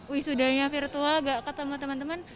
wisudanya virtual gak ketemu teman teman